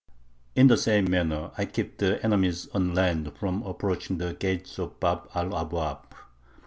In the same manner I keep the enemies on land from approaching the gates of Bab al Abwab.